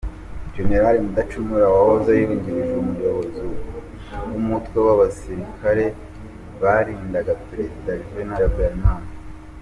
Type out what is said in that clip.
Gen. Mudacumura wahoze yungirije Umuyobozi w’Umutwe w’abasirikare barindaga Perezida Juvenal Habyarimana